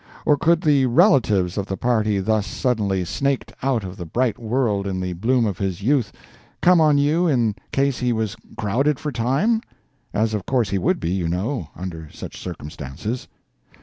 Or could the relatives of the party thus suddenly snaked out of the bright world in the bloom of his youth come on you in case he was crowded for time?—as, of course, he would be, you know, under such circumstances.